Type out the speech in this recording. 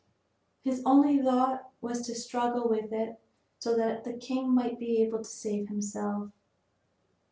His only thought was to struggle with it so that the king might be able to save himself.